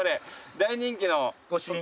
大人気の御朱印